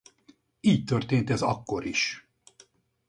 Így történt ez akkor is.